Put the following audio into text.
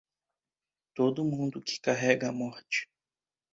Todo mundo que carrega a morte.